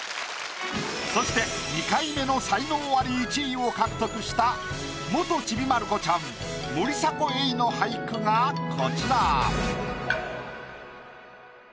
そして２回目の才能アリ１位を獲得した元ちびまる子ちゃん森迫永依の俳句がこちら。